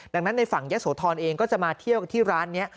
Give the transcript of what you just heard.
ดังนั้นในฝั่งยะโสธรเองก็จะมาเที่ยวที่ร้านนี้